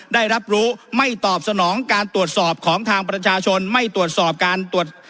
ได้รับรู้ไม่ตอบสนองการตรวจสอบของทางประชาชนไม่ตรวจสอบการตรวจ